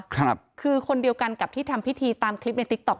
ครับคือคนเดียวกันกับที่ทำพิธีตามคลิปในติ๊กต๊อ